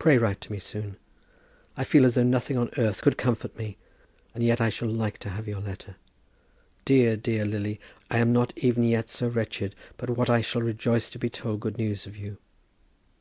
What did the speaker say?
Pray write to me soon. I feel as though nothing on earth could comfort me, and yet I shall like to have your letter. Dear, dear Lily, I am not even yet so wretched but what I shall rejoice to be told good news of you.